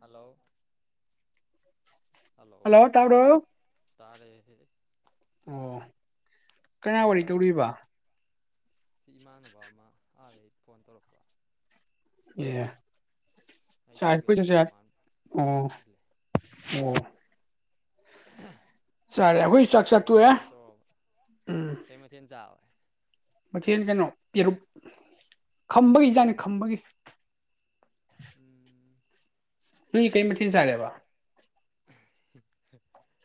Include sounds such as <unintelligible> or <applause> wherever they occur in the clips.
hello hello ꯇꯥꯕ꯭ꯔꯣ ꯇꯥꯔꯦ ꯑ ꯆꯥꯛ ꯆꯥꯔꯕꯣ ꯁꯤ ꯏꯃꯥꯟꯅꯕ ꯑꯃ ꯑꯥꯗꯩ ꯐꯣꯟ ꯇꯧꯔꯛꯄ ꯑꯦ ꯑꯩ ꯇꯧꯒꯦ ꯇꯧꯕ <unintelligible> ꯃꯥꯅ ꯐꯣꯟ ꯇꯧꯁꯤꯜꯂꯦ ꯑꯣ ꯑꯣ <unintelligible> ꯑꯗꯩ ꯆꯥꯔꯦ ꯑꯩꯈꯣꯏ ꯆꯥꯛ ꯆꯥ ꯋꯥꯔꯤ ꯇꯣꯛꯑꯦ ꯑꯗꯨꯝ ꯇꯧꯔꯛꯔꯕ ꯀꯩ ꯃꯊꯦꯜ ꯆꯥꯕꯦ ꯃꯥꯊꯦꯜ ꯀꯩꯅꯣ ꯄꯦꯔꯨꯝ ꯈꯝꯕꯒꯤ ꯏꯟꯖꯥꯡꯅꯤ ꯌꯦꯔꯨꯝ ꯈꯝꯕꯒꯤ ꯎꯝ ꯅꯣꯏ ꯀꯩ ꯃꯥꯊꯤ ꯆꯔꯦꯕ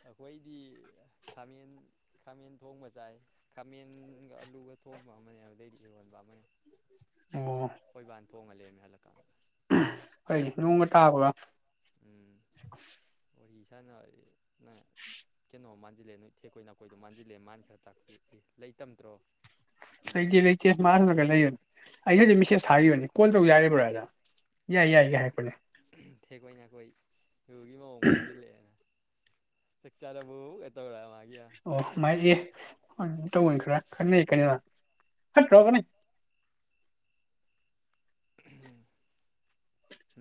ꯑꯩꯈꯣꯏꯗꯤ ꯈꯥꯃꯦꯟ ꯈꯥꯃꯦꯟ ꯊꯣꯡꯕ ꯆꯥꯏ ꯈꯥꯃꯦꯟꯒ ꯑꯂꯨꯒ ꯊꯣꯡꯕ ꯑꯃꯅꯦ ꯑꯗꯨꯗꯩꯗꯤ ꯏꯔꯣꯟꯕ ꯑꯃꯅꯦ ꯑꯣ ꯑꯩꯈꯣꯏꯕꯥꯅ ꯊꯣꯡꯉ ꯂꯩꯔꯝꯃꯦ ꯍꯜꯂꯛꯀꯥꯟꯗ ꯐꯩ ꯅꫭꯡꯒ ꯇꯕꯒ ꯐꯩ ꯏꯁꯥꯟꯅ <inaudible> ꯅꯣ ꯃꯥꯟꯖꯜꯂꯦ ꯅꯣꯏ ꯊꯦꯛꯈꯣꯏ ꯅꯥꯈꯣꯏꯗꯣ ꯃꯥꯟꯖꯤꯜꯂꯦ ꯃꯥꯅ ꯈꯔ ꯇꯥꯛꯄꯤꯔꯏ ꯂꯩꯇꯝꯗ꯭ꯔꯣ ꯂꯩꯇꯦ ꯂꯩꯇꯦ ꯃꯥꯑꯁꫭꯝ ꯅꯀꯟꯗ ꯂꯩ <unintelligible> ꯀꯦꯁ ꯊꯥꯈꯤꯕꯅꯤ ꯀꯣꯜ ꯇꯧ ꯌꯥꯔꯤꯕ꯭ꯔꯣꯅ ꯊꯦꯛꯀꯣꯏ ꯅꯥꯈꯣꯏ ꯔꯨꯒꯤ ꯃꯑꯣꯡ ꯃꯥꯟꯁꯤꯜꯂꯛꯑꯦꯅ ꯆꯥꯛ ꯆꯥꯔꯕꫭꯒ ꯇꯧꯔꯥ <unintelligible> ꯑꯣ ꯃꯥꯏ ꯑꯦ ꯇ ꯈꯔꯅꯤꯠꯇꯔꯒꯅꯤ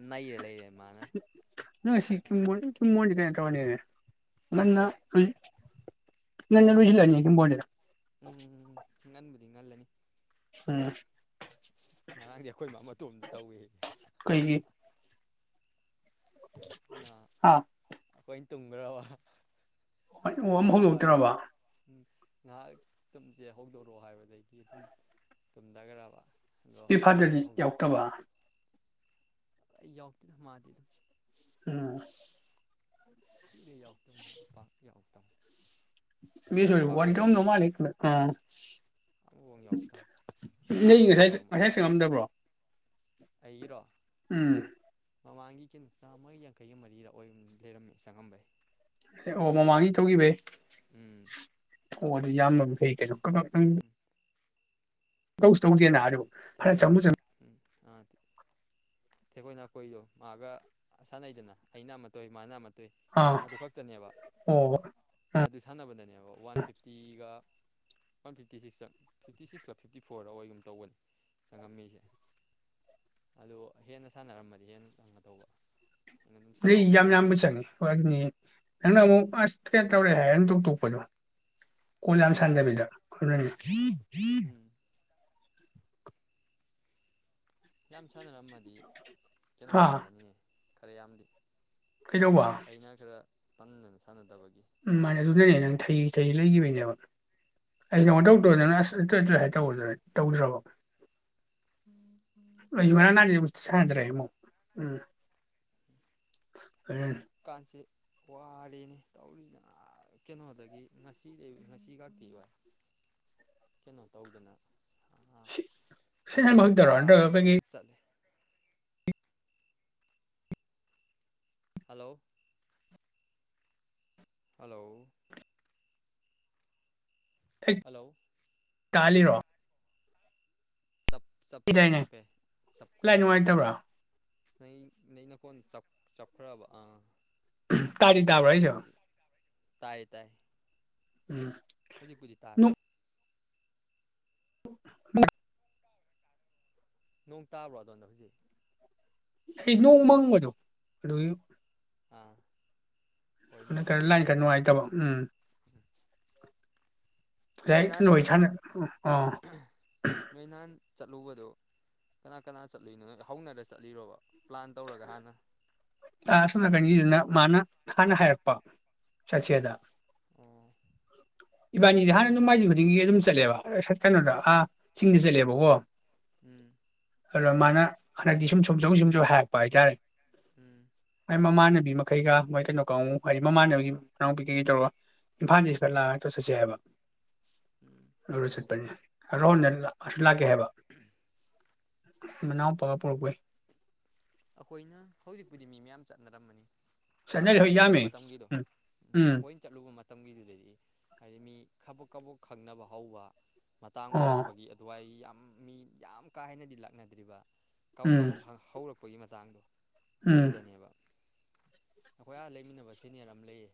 ꯅꯩꯔ ꯂꯩꯔꯦ ꯃꯥꯅ ꯅꯣꯏ ꯁꯤ ꯀꯃꯣ ꯀꯃꯣꯟ ꯀꯩꯅ ꯇꯧꯅꯤꯅꯦ ꯉꯟꯅ ꯑꯩ ꯉꯜꯕꯗꯤ ꯎꯝ ꯉꯟꯕꯨꯗꯤ ꯉꯜꯂꯅꯤ ꯎꯝ ꯉꯔꯥꯡꯗꯤ ꯑꯩꯈꯣꯏ ꯃꯥ ꯃꯇꯣꯝꯇ ꯇꯧꯏ ꯑꯩꯈꯣꯏꯒꯤ ꯑꯥ <unintelligible> ꯇꯨꯝꯒ꯭ꯔꯕ ꯍ ꯎ ꯑꯃ ꯍꯧꯗꯣꯛꯇ꯭ꯔꯕ ꯉꯥꯏꯍꯥꯛ ꯇꯨꯝꯁꯦ ꯍꯧꯗꯣꯔꯣꯑꯣ ꯍꯥꯏꯕꯗꯒꯤ ꯑꯗꯨꯝ ꯇꯨꯝꯊꯈ꯭ꯔꯕ ꯑꯗꯣ ꯄ ꯐꯥꯗꯗꯤ ꯌꯥꯎꯛꯇꯕ ꯌꯥꯎ ꯍꯗ ꯑꯗꯨꯣ ꯎꯝ ꯨꯔ ꯌꯥꯎꯛꯇ ꯑꯦ ꯄꯥꯛ ꯌꯥꯎꯛꯇ ꯃꯤ ꯋꯥ ꯈꯧꯝꯗꯧ ꯃꯥꯜꯂ ꯎ ꯑꯃꯐꯥꯎ ꯌꯥꯎꯗꯕ ꯅ ꯀꯅꯥꯅꯣ ꯉꯁꯥꯏ ꯉꯁꯥꯏ ꯆꯪꯉꯝꯗꯕ꯭ꯔꯣ ꯑꯩꯔꯣ ꯎꯝ ꯃꯃꯥꯡꯒꯤ ꯀ ꯆꯥꯝꯃꯒ ꯌꯥꯡꯈꯩꯒ ꯃꯔꯤꯗ ꯑꯣꯏ ꯂꯩꯔꯝꯃꯤ ꯆꯪꯉꯝꯕꯩ ꯑꯦ ꯑꯣ ꯃꯃꯥꯡꯒꯤ ꯇꯧꯈꯤꯕꯩ ꯎꯝ ꯍ ꯌꯥꯝꯃ ꯅꯍꯥꯟ ꯐ ꯀ ꯆ ꯎꯝ ꯇꯧꯁ ꯑꯃꯨꯛꯅ ꯍꯥꯏꯔ ꯊꯄꯣꯏ ꯎꯝ ꯊꯦꯛꯈꯣꯏ ꯅꯥꯀꯣꯏꯗꯣ ꯃꯥꯒ ꯁꯥꯟꯅꯩꯗꯅ ꯑꯩꯅ ꯑꯃꯠꯇꯧ ꯃꯥꯅ ꯑꯃ ꯑꯗꯨꯇꯩ ꯑꯥ ꯑꯗꯨ ꯈꯛꯇꯅꯦꯕ ꯑꯣ ꯑꯗꯨ ꯁꯥꯟꯅꯕꯗꯅꯦꯕ ꯋꯥꯟ ꯐꯤꯐꯇꯤꯒ ꯋꯥꯟ ꯐꯤꯞꯇꯤ ꯁꯤꯛꯁꯇꯠ ꯐꯤꯞꯇꯤ ꯁꯤꯛꯁꯂ ꯐꯤꯞꯇꯤ ꯐꯣꯔꯗ ꯑꯩꯒꯨꯝ ꯇꯒꯅꯤ ꯆꯪꯉꯝꯃꯤꯁꯦ ꯑꯗꯣ ꯍꯦꯟꯅ ꯁꯥꯟꯅꯔꯝꯃꯗꯤ ꯍꯦꯟꯅ ꯆꯪꯒ ꯇꯧꯕ ꯂꯩ ꯌꯥꯝ ꯌꯥꯝꯕ ꯆꯪꯉꯦ ꯍꯣꯏ ꯑꯗꯨꯅꯤ ꯅꯪꯅ ꯑꯃꯨꯛ ꯑꯁ ꯀꯩ ꯇꯧꯔꯛꯑꯦ ꯍꯥꯏꯅ ꯇꯧꯇꯣꯛꯄꯗꯣ ꯀꯣꯟ ꯌꯥꯝ ꯁꯥꯟꯗꯕꯤꯗ ꯑꯗꯨꯅꯤ ꯎꯝ ꯌꯥꯝ ꯁꯥꯟꯅꯔꯝꯃꯗꯤ ꯀꯩꯅꯣ ꯍꯥ ꯆꯪꯒꯅꯤꯌꯦ ꯀꯔꯤ ꯌꯥꯝꯗꯤ ꯀꯩꯗꯧꯕ ꯑꯩꯅ ꯈꯔ <unintelligible> ꯎꯝ ꯃꯅ ꯑꯗꯨꯅꯅꯦ ꯅꯪ ꯊꯩ ꯊꯩ ꯂꯩꯈꯤꯕꯅꯦꯕ ꯑꯩꯩꯅ ꯂꯣꯏꯗꯅ ꯑꯁ ꯑ ꯑꯗꯨ ꯍꯥꯏ ꯇꯧꯗꯅꯦ ꯇꯧꯗ꯭ꯔꯕ ꯑ ꯌꯃꯅ ꯅꯥꯒꯤ ꯎꯝ ꯁꯥꯟꯗ꯭ꯔꯦ ꯑꯩꯅ ꯑꯃꯃꯛ ꯎꯝ <unintelligible> ꯀꯥꯟꯁꯦ ꯋꯥꯔꯦꯅꯤ ꯇꯧꯔꯤꯅ ꯀꯩꯅꯣꯗꯒꯤ ꯉꯁꯤꯗꯒꯤ ꯉꯁꯤ ꯈꯥꯛꯇꯤ ꯋꯥ ꯀꯩꯅꯣ ꯇꯧꯗꯅ ꯁꯤꯖꯟ ꯑꯃ ꯇ ꯃꯛꯇꯔꯣ ꯅꯠꯇ꯭ꯔꯒ ꯑꯩꯈꯣꯏꯒꯤ ꯆ ꯍꯂꯣ ꯍꯂꯣ ꯍꯂꯣ ꯀꯥꯂꯤꯔꯣ ꯆꯥꯞ ꯆꯥꯄꯦ ꯆꯥꯄꯦ ꯂꯥꯏ ꯅꯨꯡꯉꯥꯏꯇꯕ꯭ꯔꯥ <unintelligible> ꯅ ꯅ ꯅ ꯀꯣꯟ ꯆꯞꯈ꯭ꯔꯕ ꯑꯥ ꯇꯥꯔꯤ ꯇꯥꯕꯩꯁ ꯑꯗꯨꯒꯤ ꯇꯥꯏ ꯇꯥꯏ ꯍꯧꯖꯤꯛ ꯍꯧꯖꯤꯛ ꯇꯥꯔꯦ ꯍ ꯅꯣꯡ ꯇꯥꯕ꯭ꯔꯣꯗꯅꯦ ꯍꯧꯖꯤꯛ ꯑꯩ ꯅꯣꯡ ꯃꯪꯕꯗꯣ ꯑꯗꯨꯒꯤ ꯑꯥ ꯍꯣꯏ ꯅꯣꯡ ꯈꯔ ꯂꯥꯏꯟ ꯃꯪꯕꯒꯤ ꯈꯔ ꯅꯨꯡꯉꯥꯏꯇꯕ ꯎꯝ ꯂꯩ ꯅꯍꯥꯟ ꯅꯣꯏ ꯆꯠ ꯊꯥꯟ ꯑ ꯆꯠꯂꯨꯕꯗꯨ ꯀꯅꯥ ꯀꯅꯥ ꯆꯠꯂꯨꯏꯅꯣ ꯅꯣꯏ ꯍꯧꯅꯔ ꯆꯠꯂꯤꯔꯣꯕ ꯄ꯭ꯂꯥꯟ ꯇꯧꯔꯒ ꯍꯥꯟꯅ ꯂꯥꯁꯅ ꯀꯩꯅꯤꯅ ꯃꯥꯅ ꯈꯅ ꯍꯥꯏꯔꯄ ꯆꯆꯦꯗ ꯑꯣ ꯏꯕꯥꯅꯤꯗꯤ ꯍꯥꯟꯅ ꯊꯦꯛꯀꯣꯏꯅ ꯑꯗꯨꯝ ꯃꯥꯏꯖꯤ ꯈꯨꯗꯤꯡꯒꯤ ꯑꯗꯨꯝ ꯆꯠ ꯆꯠꯂꯦ ꯀꯩꯅꯣꯗ ꯑꯥ ꯆꯤꯡꯗ ꯆꯠꯂꯦꯕꯀꯣ ꯎꯝ ꯑꯗꯨꯗ ꯃꯥꯅ ꯍꯟꯗꯛꯇꯤ ꯁꯨꯝ ꯁꯨꯝ ꯁꯧ ꯁꯨꯝꯁꯨ ꯍꯥꯏꯔꯛꯄ ꯍꯥꯏꯇꯥꯔꯦ ꯎꯝ ꯑꯩ ꯃꯃꯥꯟꯅꯕꯤ ꯃꯈꯩꯒ ꯃꯣꯏ ꯀꯩꯅꯣ ꯀꯥꯡ ꯎꯝ ꯍꯥꯏꯗꯤ ꯃꯃꯥꯟꯅꯕꯤꯒꯤ ꯀꯥꯡꯄꯤ ꯀꯩꯒꯤꯩ ꯇꯧꯔꯒ ꯏꯝꯐꯥꯜꯗꯐꯠ ꯂꯥꯛꯑꯒ ꯆꯠꯁꯦ ꯍꯥꯏꯕ ꯎꯝ ꯂꯧꯔ ꯆꯠꯄꯅꯤ ꫪꯍꯨꯜꯅ ꯑꯗꯨ ꯂꯥꯛꯀꯦ ꯍꯥꯏꯕ ꯃꯅꯥꯎ ꯄꯔꯄꯔꯛꯄꯣꯏ ꯑꯩꯈꯣꯏꯅ ꯍꯧꯖꯤꯛꯄꯨꯗꯤ ꯃꯤ ꯃꯌꯥꯝ ꯆꯠꯅꯔꯝꯕꯅꯤ ꯍꯥꯟꯅꯣ ꯆꯠꯅꯔꯤ ꯍꯣꯏ ꯑꯩꯈꯣꯏꯅ ꯆꯠꯂꯨꯕ ꯌꯥꯝꯃꯦ ꯃꯇꯝꯒꯤꯗꯣ ꯎꯝ ꯎ ꯎꯝ ꯑꯩꯈꯣꯏꯅ ꯆꯠꯂꯨꯕ ꯃꯇꯝ ꯃꯇꯝꯒꯤꯗꯨꯗꯗꯤ ꯍꯥꯏꯗꯤ ꯃꯤ ꯈꯕꯛ ꯈꯕꯛ ꯈꯪꯅꯕ ꯍꯧꯕ ꯃꯇꯥꯡ ꯑꯣ ꯑꯣꯏꯔꯛꯄꯒꯤ ꯑꯗꯨꯋꯥꯏꯒꯤ ꯌꯥꯝ ꯃꯤ ꯌꯥꯝ ꯀꯥ ꯍꯦꯟꯅꯗꯤ ꯂꯥꯛꯅꯗ꯭ꯔꯤꯕ ꯀꯥꯎꯛ ꯎꯝ ꯀꯕꯨꯛ ꯍꯧꯛ ꯑꯩꯈꯣꯏꯒꯤ ꯃꯆꯥꯡꯗꯣ ꯑꯗꯨ ꯎꯝ ꯅꯤꯕ ꯑꯩꯈꯣꯏ ꯑꯥ ꯂꯩꯃꯤꯟꯅꯕ ꯁꯤꯦꯅꯤꯔ ꯌꯥꯝ ꯂꯩꯌꯦ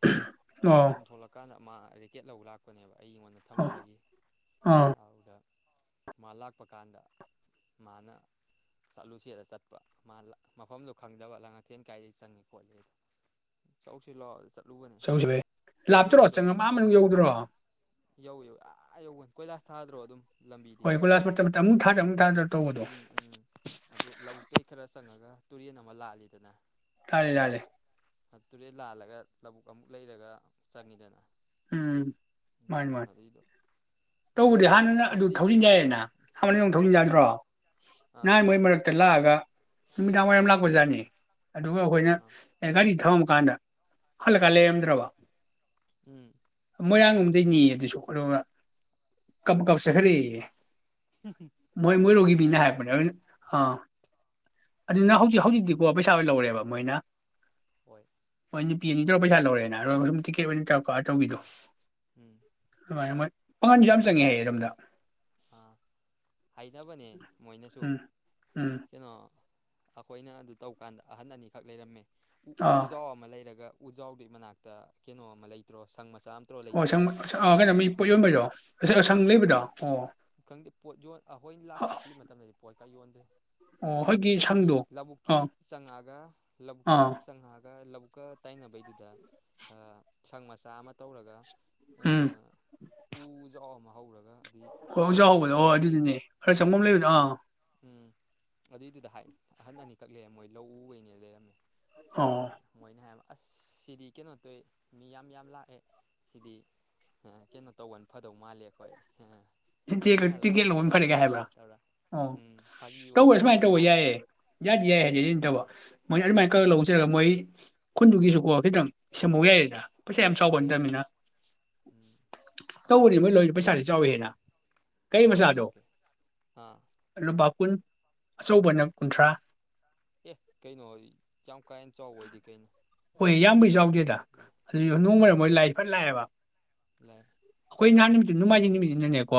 ꯑꯣ ꯌꯨꯝ ꯊꯣꯛꯣꯂꯛꯀꯥꯟꯗ ꯑꯃ ꯔꯦꯀꯦꯠ ꯂꯧꯕ ꯂꯥꯛꯄꯅꯦꯕ ꯑꯩ ꯑꯩꯉꯣꯟꯗ ꯑꯣ ꯊꯝꯃꯝꯕꯒꯤ ꯑꯥ ꯑꯗꯨꯗ ꯃꯥ ꯂꯥꯛꯄ ꯀꯥꯟꯗ ꯃꯥꯅ ꯆꯠꯂꯨꯁꯤꯅ ꯆꯠꯄ ꯃꯐꯝꯗꯣ ꯈꯪꯗꯕ ꯂꯥꯡ ꯑꯊꯦꯟ ꯀꯥꯏꯗꯒꯤꯩ ꯆꯪꯉꯤ ꯈꯣꯠꯂꯤꯗꯣ ꯆꯧꯁꯤ ꯂꯥꯛꯑꯣ ꯆ ꯂꯥꯞꯇꯔꯣ ꯆꯪ ꯑꯃ ꯃꯅꯨꯡ ꯌꯧꯗ꯭ꯔꯣ ꯌꯧ ꯌꯧ ꯑꯥ ꯌꯧꯧꯕ ꯀꯣꯏꯂꯥꯁ ꯊꯥꯗ꯭ꯔꯣ ꯑꯗꯨꯝ ꯂꯝꯕꯤꯗꯤ ꯍꯣꯏ ꯒꯂꯥꯁ ꯃꯇꯝ ꯑꯃꯨꯛ ꯊꯥ ꯑꯃꯨꯛ ꯊꯥꯗ ꯇꯧꯕꯗꯣ ꯎꯝ ꯎꯝ ꯑꯗꯨ ꯂꯧꯕꯛꯇ ꯈꯔ ꯆꯪꯉꯒ ꯇꯨꯔꯦꯟ ꯑꯃ ꯂꯥꯂꯤꯗꯅ ꯂꯥꯜꯂꯤ ꯂꯜꯂꯤ ꯇꯨꯔꯦꯦꯟ ꯂꯥꯜꯂꯒ ꯂꯧꯕꯨꯛ ꯑꯃꯨꯛ ꯂꯩꯔꯒ ꯆꯪꯉꯤꯗꯅ ꯎꯝ ꯃꯥꯅꯤ ꯃꯥꯅꯤ ꯑꯗꯨꯏꯗꯣ ꯇꯧꯕꯗꯤ ꯅꯨꯡꯉꯥꯏꯕꯅꯦ ꯍꯥꯟꯅꯅ ꯑꯗꯨ ꯃꯐꯝꯗꯤ ꯊꯧꯖꯤꯟꯖꯏꯑꯌꯦꯅ ꯍꯥꯟꯕꯗ ꯑꯃꯛ ꯊꯧꯖꯤꯟ ꯎꯝ ꯌꯥꯗ꯭ꯔꯣ ꯑꯥ ꯅꯅꯥ ꯃꯣꯏ ꯃꯛꯛꯇꯂ ꯑꯒ ꯅꯨꯃꯤꯗꯥꯡ ꯋꯥꯏꯔꯝ ꯎꯝ ꯂꯥꯛꯄꯖꯥꯠꯅꯤ ꯑꯗꯨꯒ ꯑꯩꯈꯣꯏꯅ ꯑꯥ ꯒꯥꯔꯤ ꯊꯝ ꯀꯥꯟꯗ ꯍꯜꯂꯛꯀꯥꯟ ꯂꯩꯔꯝꯗ꯭ꯔꯕ ꯎꯝ ꯃꯣꯏꯔꯥꯡꯒꯣꯝꯗꯩꯅꯤ ꯑꯗꯨꯁꯨ ꯀꯞ ꯀꯞꯆꯈꯔꯛꯑꯦ ꯃꯣꯏ ꯃꯣꯏ ꯎꯄꯥꯏ ꯔꯣꯒꯤꯕꯤꯅ ꯂꯩꯇꯦ ꯍꯥꯏꯕꯅꯦ ꯑꯥ ꯑꯗꯨꯅ ꯍꯧꯖꯤꯛ ꯍꯧꯖꯤꯛꯇꯤꯀꯣ ꯄꯩꯁꯥ ꯂ ꯂꯧꯔꯦꯕ ꯃꯥꯏꯅ ꯍꯣꯏ ꯑꯩ ꯅꯨꯄꯤ ꯑꯅꯤ ꯇꯧꯔ ꯄꯩꯁꯥ ꯂꯧꯔꯦꯅ ꯁꯨꯝ ꯇꯤꯀꯦꯠ ꯑꯣꯏꯅ ꯇꯧꯔ ꯇꯧꯕꯤꯗꯣ ꯎꯝ ꯑꯃ ꯄꯥꯉꯜꯁꯨ ꯌꯥꯝ ꯃꯣꯏ ꯆꯪꯉꯦ ꯍꯥꯏꯌꯦꯔꯣꯝꯗ ꯅꯅꯕꯅꯦ ꯃꯣꯏꯅꯁꯨ ꯀꯩꯅꯣ ꯑꯩꯈꯣꯏꯅ ꯑꯗꯨ ꯇꯧꯀꯥꯟꯗ ꯑꯍꯟ ꯑꯅꯤꯈꯛ ꯂꯩꯔꯝꯃꯦ ꯎ ꯑꯥ ꯎꯖꯥꯎ ꯑꯃ ꯂꯩꯔꯒ ꯎꯖꯥꯎꯗꯨꯩ ꯃꯅꯥꯛꯇ ꯀꯩꯅꯣ ꯑꯃ ꯂꯩꯇ꯭ꯔꯣ ꯁꯥꯔ ꯑꯣ ꯀꯩꯅꯣ ꯃꯤ ꯄꯣꯠ ꯌꯣꯟꯕꯗꯣ ꯉꯁꯥꯏ ꯑꯁꯪ ꯂꯩꯕꯗꯣ ꯑꯣ ꯈꯪꯗꯦ ꯄꯣꯠ ꯌꯣꯟ ꯑꯩꯈꯣꯏꯅ ꯂꯥꯛ ꯆꯠꯂꯤ ꯃꯇꯝꯗꯗꯤ ꯄꯣꯠ ꯀꯩ ꯌꯣꯟꯗ꯭ꯔꯦ ꯑꯣ ꯍꯣꯏꯒꯤ ꯍꯧꯖꯤꯛꯀꯤ ꯁꯪꯗꯣ ꯂꯧꯕꯨꯛꯀꯤ ꯑꯥ ꯆꯪꯉꯛꯑꯒ ꯂꯧꯕꯕꯨꯛꯀ ꯑꯥ ꯆꯪꯉꯛꯑꯒ ꯂꯧꯕꯛ ꯑꯃꯨꯛꯀ ꯇꯥꯏꯅꯕꯩꯗꯨꯗ ꯁꯪ ꯃꯆꯥ ꯑꯃ ꯇꯧꯔꯒ ꯑ ꯎꯝ ꯎꯖ ꯑꯃ ꯍꯧꯔꯒ ꯑꯗꯨꯏ ꯍ ꯑꯣꯖꯥ ꯃꯅꯥꯛꯇ ꯍꯧꯕꯗꯣ ꯁꯪ ꯍ ꯑꯃ ꯂꯩꯕꯗꯣ ꯑꯗꯨꯗꯨꯅꯦ ꯈꯔ ꯎꯝ ꯆꯪꯉꯝ ꯂꯩꯕꯗ ꯑꯥ ꯎꯝ ꯑꯗꯨꯏꯗꯨꯗ ꯍꯥꯏ ꯑꯍꯟ ꯑꯅꯤꯈꯛ ꯂꯩꯔꯦ ꯃꯣꯏ ꯂꯧꯎꯈꯩꯅꯦ ꯂꯩꯔꯝꯃꯦ ꯑ ꯑꯣ ꯃꯣꯏꯅꯦꯍ ꯑꯁ ꯁꯤꯗꯤ ꯀꯩꯅꯣ ꯇꯧ ꯃꯤ ꯌꯥꯝ ꯌꯥꯝ ꯂꯥꯛꯑꯦ ꯁꯤꯗꯤ ꯀꯩꯅꯣ ꯇꯧꯕꯅ ꯐꯗꯧ ꯃꯥꯜꯂꯦ ꯑꯩꯈꯣꯏ ꯄꯩꯁꯥ ꯇꯤꯛꯀꯦꯠ ꯂꯧꯕꯅ ꯂꯧꯕ ꯐꯗꯧ ꯐꯔꯦꯒꯦ ꯃꯥꯜꯂꯤ ꯍꯥꯏꯕ꯭ꯔꯥ ꯀꯥꯏ ꯇꯧꯔ ꯑꯣ ꯎꯝ ꯐꯥꯒꯤ ꯑꯣꯏ ꯇꯧꯕ ꯁꯨꯝ ꯁꯨꯃꯥꯏꯅ ꯃꯣꯏ ꯇꯧꯕ ꯍꯥꯏꯕ ꯌꯥꯏꯌꯦ ꯌꯥꯗꯤ ꯌꯥꯏꯌꯦ ꯍꯥꯏꯗꯤ ꯎꯝ ꯑꯗꯨ ꯇꯧꯕ ꯃꯣꯏ ꯑꯗꯨꯃꯥꯏꯅ ꯈꯛ ꯂꯧꯖꯔꯒ ꯃꯣꯏ ꯈꯨꯟꯗꯨꯒꯤꯁꯨꯀꯣ ꯈꯤꯇꯪ ꯁꯦꯝꯍꯧ ꯌꯥꯏꯌꯦꯗ ꯄꯩꯁꯥ ꯌꯥꯝ ꯆꯥꯎꯕ ꯌꯥꯏ ꯅꯠꯇꯕꯅꯤꯅ ꯎꯝ ꯇꯧꯕꯅꯤ ꯍꯥꯏꯗꯤ ꯃꯣꯏ ꯂꯣꯏ ꯃꯨꯛ ꯄꯩꯁꯥꯗꯤ ꯆꯥꯎꯋꯤ ꯍꯦꯅ ꯀꯩ ꯀꯌꯥ ꯃꯁꯥꯗꯣ ꯂꯧꯒꯦ ꯑꯥ ꯑꯩꯅꯣ ꯄꯄꯨ ꯑꯆꯧꯕꯅ ꯀꯨꯟꯊ꯭ꯔꯥ ꯑꯦ ꯀꯩꯅꯣ ꯌꯥꯝ ꯀꯥꯦꯟꯅ ꯆꯥꯎꯕ ꯑꯣꯏꯗꯤ ꯀꯩꯅꯣ ꯍꯣꯏ ꯌꯥꯝꯕꯩ ꯆꯥꯎꯎꯦ ꯑꯗꯨ ꯅꯣꯡ ꯎꯝ ꯃꯔꯝ ꯑꯣꯏꯣꯏ ꯂꯥꯏꯏ ꯐꯠ ꯂꯥꯛꯑꯦꯕ ꯂꯥꯛꯑꯦ ꯀꯣꯏ ꯅꯤ ꯅꯣꯡꯃꯥꯏꯖꯤꯡ ꯅꯨꯃꯤꯁꯤꯅꯅꯦꯀꯣ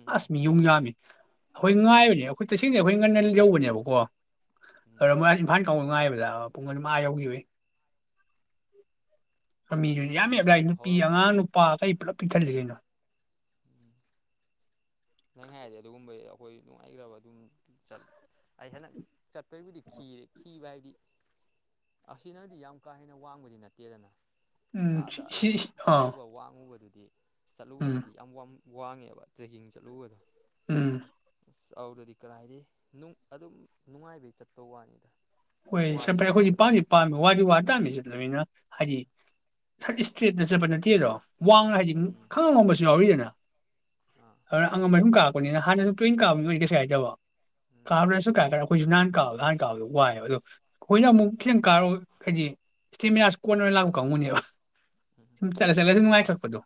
ꯎꯝ ꯑꯁꯃꯤ ꯌꯨ ꯌꯥꯃꯤ ꯑꯩꯈꯣꯏ ꯉꯥꯏꯕꯅꯦ ꯑꯩꯈꯣꯏ ꯇꯁꯦꯡꯅ ꯑꯩꯈꯣꯏ ꯉꯟꯅꯜ ꯌꯧꯕꯅꯦꯕꯀꯣ ꯎꯝ ꯃꯣꯏꯥꯟ ꯅ ꯉꯥꯏꯕꯗ ꯄꯨꯡ ꯑꯅꯤꯃꯉꯥ ꯌꯧꯈꯤꯕꯏ <unintelligible> ꯃꯃꯤꯗꯨꯗꯤ ꯌꯥꯝ ꯑꯩꯈꯣꯏꯅ ꯍꯦꯞ ꯂꯥꯏ ꯑꯩꯉꯣꯟꯗꯁꯨ ꯅꯨꯄꯤ ꯍꯧꯔꯝꯅꯤ ꯑꯉꯥꯡ ꯅꯨꯄꯥ ꯑꯈꯩ ꯄꯨꯂꯞ ꯄꯤꯛꯊꯠꯂꯤ ꯀꯩꯅꯣ ꯎꯝ ꯅꯪ ꯍꯥꯏꯔꯗꯤ ꯑꯗꯨꯒꯨꯝꯕ ꯑꯩꯈꯣꯏ ꯅꯨꯡꯉꯥꯏꯈ꯭ꯔꯕ ꯑꯗꯨꯝꯠ ꯑꯩ ꯍꯟꯗꯛ ꯆꯠꯄꯩꯕꯨꯗꯤ ꯈꯤꯔꯦ ꯤꯕ ꯍꯥꯏꯕꯗꯤ ꯑꯁꯤ ꯅꯪꯗꯤ ꯌꯥꯝ ꯀꯥ ꯍꯦꯟꯅ ꯋꯥꯡꯕꯗꯤ ꯅꯠꯇꯦꯗꯅ ꯎꯝ ꯁꯤ ꯑꯥꯗ ꯁꯤ ꯑꯩꯅ ꯁꯤ ꯑꯥ ꯆꯠꯂꯨꯕ ꯋꯥꯡꯉꯨꯕꯗꯨꯗꯤ ꯎꯝ ꯆꯠꯂꯨꯕꯗꯨꯗꯤ ꯌꯥꯝ ꯋꯥ ꯋꯥꯡꯉꯦꯕ ꯇ꯭ꯔꯦꯛꯀꯤꯡꯁꯦ ꯂꯨꯗ ꯎꯝ ꯑ ꯑꯗꯗꯤ ꯀꯔꯥꯏꯗꯤ ꯑꯗꯨꯝ ꯅꯨꯡꯉꯥꯏꯕꯩ ꯆꯠꯄ ꯋꯥꯅꯤ ꯍꯣꯏ ꯁꯦꯄꯔꯦꯠ ꯑꯩꯈꯣꯏꯗꯤ ꯄꯥꯝꯁꯤ ꯄꯥꯝꯃꯦ ꯋꯥꯗꯤ ꯋꯥ ꯇꯥꯝꯃꯤꯁꯦ ꯑꯗꯨꯅꯤꯅ ꯍꯥꯏꯗꯤ ꯎꯝ ꯁꯔ ꯏꯁꯇ꯭ꯔꯦꯠꯅ ꯆꯠꯄ ꯅꯠꯇꯦꯗꯣ ꯋꯥꯡꯅ ꯍꯥꯏꯗꯤ ꯎꯝ ꯈꯪꯉꯝ ꯉꯝꯕꯁꯨ ꯌꯥꯎꯔꯤꯗꯅ ꯑꯥ ꯑ ꯑꯉ ꯍꯨꯝ ꯀꯥ ꯑꯩꯅꯤꯅ ꯍꯥꯟꯅꯁꯨ ꯇ꯭ꯣꯏꯟ ꯀꯥꯕꯅꯣꯏꯗꯤ ꯀꯩ ꯍꯥꯏꯗꯕ ꯎꯝ ꯀꯥꯔꯅꯁꯣ ꯀꯥꯏ ꯀꯔ ꯍꯣꯏꯁꯨꯨꯍꯥꯟ ꯀꯥꯎꯥꯟ ꯀꯥꯎꯗ ꯋꯥꯏꯅꯦ ꯑꯗꯣ ꯑꯩꯈꯣꯏꯅ ꯑꯃꯨꯛ ꯈꯤꯇꯪ ꯀꯥꯔꯣ ꯍꯥꯏꯗꯤ ꯏꯁꯇꯦꯃꯤꯅꯥꯁꯤ ꯀꯣꯟꯅꯅ ꯂꯥꯛꯄ ꯀꯥꯡꯕꯨꯅꯦꯕ ꯎꯝ ꯁꯨꯝ ꯆꯠꯂ ꯆꯠꯂꯦ ꯁꯨꯝ ꯅꯨꯡꯉꯥꯏꯊꯔꯄꯗꯣ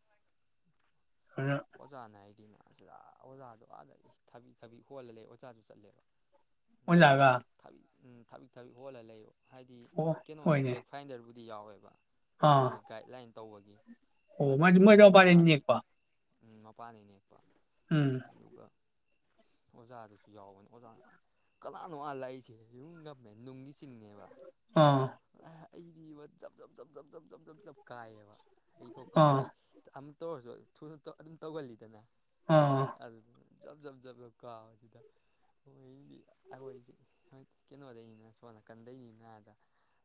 ꯑꯣꯖꯥꯅꯗꯤꯃꯁ ꯂꯥꯛ ꯑꯣꯖꯥꯗꯣ ꯑꯥꯗ ꯊꯕꯤ ꯊꯥꯕꯤ ꯍꯣꯜꯂꯂꯦ ꯑꯣꯖꯥꯁꯨ ꯆꯠꯂꯦꯕ ꯑꯣꯖꯒ ꯎꯝ ꯊꯥꯕꯤꯛ ꯊꯥꯕꯤꯛ ꯍꯣꯜꯂ ꯂꯩꯣ ꯍꯥꯏꯗꯤ ꯑꯣ ꯀꯩꯅꯣ ꯍꯣꯏꯅꯦ ꯇ꯭ꯔꯦꯛ ꯐꯥꯏꯟꯗꯔꯕꯨꯗꯤ ꯗꯤ ꯌꯥꯎꯋꯦꯕ ꯑꯥ ꯃꯣꯏꯒꯥꯏꯠꯂꯥꯏꯟ ꯇꯧꯕꯒꯤ ꯑꯣ ꯃ ꯃꯖꯥ ꯋꯥ ꯄꯔꯦꯅꯤ ꯄ ꯎꯝ ꯃꯄꯥꯥꯟꯅꯤꯅꯦꯦꯛꯛꯄ ꯎꯝ ꯑꯣꯖꯥꯗꯨꯁꯨ ꯌꯥꯎꯕꯅꯦ ꯑꯣꯖꯥꯅ ꯀꯅꯥꯅꯣ ꯑꯜꯂꯥꯛꯏꯁꯦ ꯌꯨꯝꯒꯝꯃꯦ ꯅꯨꯡꯒꯤ ꯆꯤꯡꯅꯦꯕ ꯑꯥ ꯑꯩꯗꯤ ꯏ ꯖ ꯖ ꯖ ꯖ ꯖ ꯖ ꯖ ꯀꯥꯑꯦꯕ ꯑꯩ ꯊꯣꯛꯄ ꯑꯩ ꯑꯥ ꯇꯧꯁꯨ ꯊꯨꯅ ꯑꯗꯨꯝ ꯇꯧꯒꯜꯂꯤꯗꯅ ꯑꯥ ꯑꯗꯨꯗꯨꯅ ꯖꯞ ꯖꯞ ꯖ ꯖ ꯀꯥ ꯁꯤꯗ ꯑꯣꯏ ꯍꯣꯏ ꯀꯩꯅꯣꯗꯩꯅꯤꯅ ꯁꯣꯅ ꯀꯟꯗꯣꯏꯅꯤ ꯉꯥꯗ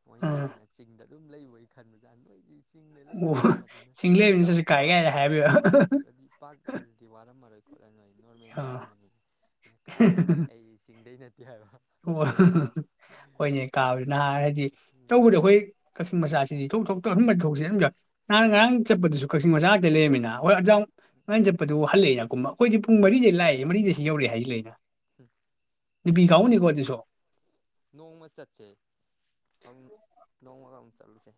ꯋꯥ ꯈ ꯑꯥ ꯅ ꯆꯗ ꯑꯗꯨꯝ ꯂꯩꯕꯣꯏ ꯈꯟꯕꯖꯥ ꯅꯣꯏꯒꯤ ꯆꯤꯡꯗ ꯑꯣ ꯂꯩꯕꯅꯤꯅ ꯑꯗꯨꯅ ꯆꯤꯡꯂꯦꯝꯅꯤꯅꯁꯨ ꯀꯥꯏ ꯀ꯭ꯋꯥ ꯀꯥꯏꯗ ꯍꯥꯏꯕꯤꯕ ꯎꯝ ꯑꯗꯨꯗꯤ ꯏꯄꯥꯛ ꯑꯗꯨꯗꯤ ꯋꯥꯔꯝꯃꯔꯣꯏ ꯈꯣꯠꯂ ꯅꯣꯏ ꯅꯣꯔꯃꯦꯜ ꯑꯥ ꯇꯥꯔꯝꯕꯅꯤ ꯑꯩꯅ ꯀꯥꯏꯗꯣꯏ ꯅꯣꯏ ꯑꯩ ꯆꯤꯡꯗꯩ ꯅꯦ ꯍꯣꯏꯅꯦ ꯀꯥꯕ ꯑ ꯎꯝ ꯇꯧꯕꯗꯤ ꯑꯩꯈꯣꯏ ꯀꯛꯆꯤꯡ ꯃꯆꯥꯁꯤꯗꯤꯣꯛꯇ ꯑꯗꯨꯁꯤꯝ ꯅꯍꯥꯟ ꯉꯔꯥꯡ ꯆꯠꯄꯗꯁꯨ ꯀꯛꯤꯡ ꯃꯆꯥ ꯉꯥꯛꯇ ꯂꯩꯔꯃꯤꯅ ꯍꯣꯏ ꯅꯟ ꯆꯄ ꯑꯗꯨ ꯍꯜꯂꯦ ꯀꯨꯝꯕ ꯑꯩꯈꯣꯏꯗꯤ ꯄꯨꯡ ꯃꯔꯤꯗꯩ ꯂꯥꯛꯑꯦ ꯃꯔꯤꯗꯁꯤ ꯌꯧꯔꯛꯦ ꯍꯥꯏꯁꯤ ꯂꯩꯅ ꯕꯤꯈꯥꯎꯅꯤ ꯅꯣꯡ ꯀꯣꯏ ꯅꯣꯡꯃ ꯆꯠꯁꯦ ꯑꯪ ꯅꯣꯡꯃꯔꯝ ꯆꯥꯂꯨꯁꯦ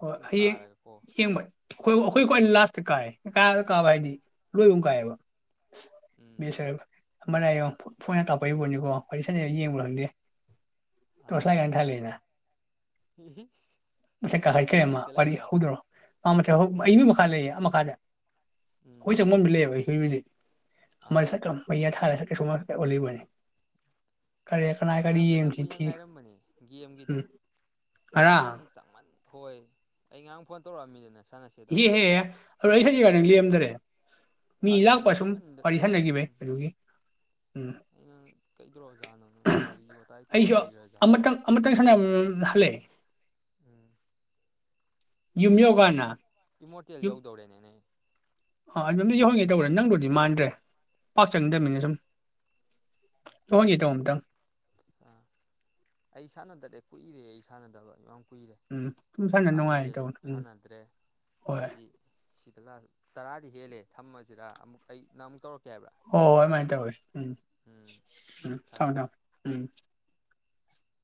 ꯍꯣꯏ ꯍꯌꯦꯡ ꯌꯦꯡꯕ ꯑꯩꯈꯣꯏ ꯑꯩꯈꯣꯏ ꯈꯋꯥ ꯂꯥꯁ ꯀꯥꯏ ꯀꯥ ꯀꯥꯕ ꯍꯥꯏꯗꯤ ꯂꯣꯏꯕ ꯀꯥꯏꯌꯦꯕ ꯎꯝ ꯃꯦꯁꯔꯕ ꯑꯃꯅꯏꯌꯣ ꯐꯣꯟꯅ ꯇꯥꯛꯄꯛꯏꯕꯅꯤꯀꯣ ꯋꯥꯔꯤ ꯁꯅ ꯌꯦꯡꯕ ꯈꯪꯗꯦ ꯑꯥ ꯇꯣꯁꯂꯥꯢꯠ ꯀꯟ ꯊꯥꯟꯂꯩꯅ ꯃꯊꯛ ꯀꯥꯈꯠꯈ꯭ꯔꯦꯃꯥ ꯃꯊꯛꯇ ꯋꯥꯔꯤ ꯂꯩꯔꯣ ꯍꯧꯗꯣꯏꯔꯣ ꯃꯥ ꯃꯊꯛ ꯑꯩ ꯃꯊꯛꯇ ꯃꯤ ꯃꯈꯥ ꯂꯩꯌꯦ ꯑꯃ ꯃꯈꯥꯗ ꯎꯝ ꯑꯩꯈꯣꯏ ꯆꯪꯐꯝꯗꯤ ꯂꯩꯌꯦꯕ ꯑꯩ ꯍ ꯍꯧꯖꯤꯛ ꯑꯥ ꯑꯃꯠꯈ ꯃꯩꯌꯥ ꯊꯥꯔꯦ ꯊꯦ ꯁꯃꯥꯏꯂꯕꯅꯤ ꯑꯩ ꯉꯔꯥꯡ ꯐꯅꯌꯥꯝ ꯀꯨꯏꯅ ꯉꯥꯏꯔꯝꯕꯅꯤ ꯒꯦꯝꯒꯤꯗꯣ ꯎꯝ ꯉꯔꯥꯡ ꯅꯪ ꯆꯪꯃꯟ ꯍꯣꯏ ꯑꯩ ꯉꯔꯥꯡ ꯐꯣꯟ ꯇꯧꯔꯛꯑꯝꯃꯤꯗꯅꯦ ꯍꯦꯍꯦꯍꯦ ꯑꯩ ꯍꯧꯖꯤ ꯀꯥꯏꯅ ꯂꯩꯔꯝꯗꯔꯦ ꯃꯤ ꯑꯗꯨ ꯂꯥꯛꯄ ꯁꯨꯝ ꯀꯨꯏꯃꯟꯗ ꯋꯥꯔꯤ ꯁꯥꯟꯅꯈꯤꯕꯩ ꯎꯝ ꯑꯗꯨꯒꯤ ꯎꯝ ꯇ꯭ꯔꯣꯖꯥꯅꯣꯅ ꯋꯥꯔꯤ ꯋꯥꯇꯥꯏ ꯇꯧꯔ ꯑꯩꯁꯨ ꯂꯩꯒ꯭ꯔꯖꯥꯠꯂ ꯑꯃꯇꯪ ꯑꯃꯇꯪ ꯁꯥꯟꯅꯕ ꯍꯜꯂꯛꯑꯦ ꯌꯨꯝ ꯌꯧꯀꯥꯟꯗ ꯎꯝ ꯏꯃꯣꯔꯇꯦꯜ ꯌꯨꯝ ꯌꯧꯗꯧꯔꯦꯅꯦꯅꯦ ꯑꯥ ꯑꯗꯨꯝꯗꯤ ꯌꯧꯍꯣꯡꯒꯦ ꯇꯧꯕꯔꯥ ꯅꯪꯗꯨꯗꯤ ꯃꯥꯟꯗ꯭ꯔꯦ ꯄꯥꯛ ꯎꯝ ꯆꯪꯅꯤꯡꯗꯕꯃꯤꯅ ꯁꯨꯝ ꯇꯧꯍꯟꯒꯦꯇꯧ ꯑꯝꯇꯪ ꯑ ꯑꯩ ꯁꯥꯟꯅꯗ꯭ꯔꯦ ꯀꯨꯏꯔꯦ ꯑꯩ ꯁꯥꯟꯅꯗꯕ ꯀꯨꯏꯔꯦ ꯎꯝ ꯁꯨꯝ ꯁꯥꯟꯅ ꯑꯥꯗ ꯅꯨꯡꯉꯥꯏꯒꯦ ꯂꯩꯁꯨ ꯇꯧꯕꯅꯦ ꯎꯝ ꯁꯥꯟꯅꯗ꯭ꯔꯦ ꯍꯣꯏ ꯑꯗꯩꯗꯤ ꯁꯤꯗ ꯇꯔꯥꯗꯤ ꯍꯦꯜꯂꯦ ꯊꯝꯃꯁꯤꯔ ꯑꯃꯨꯛ ꯑꯩ ꯅꯪ ꯑꯃꯨꯛ ꯇꯧꯔꯛ ꯍꯣꯏ ꯍꯣꯏ ꯑꯗꯨꯃꯥꯏꯅ ꯇꯧꯋꯤ ꯎꯝ ꯎꯝ ꯎꯝ ꯊꯝꯃꯃꯦ ꯊꯝꯃꯦ ꯎꯝ